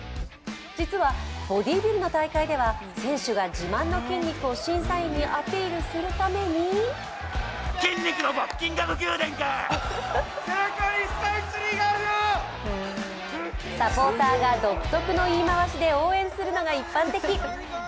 実は、ボディービルの大会では選手が自慢の筋肉を審査員にアピールするためにサポーターが独特の言い回しで応援するのが一般的。